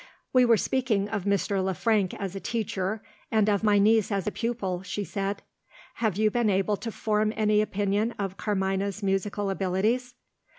"We were speaking of Mr. Le Frank as a teacher, and of my niece as a pupil," she said. "Have you been able to form any opinion of Carmina's musical abilities?"